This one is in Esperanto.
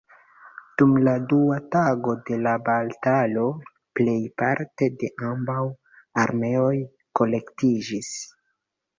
Dum la dua tago de batalo, plejparte de ambaŭ armeoj kolektiĝis.